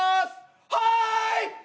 はい！